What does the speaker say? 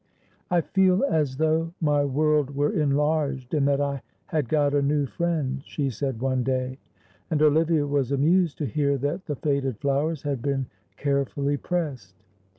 "I feel as though my world were enlarged, and that I had got a new friend," she said one day, and Olivia was amused to hear that the faded flowers had been carefully pressed.